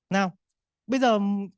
nào bây giờ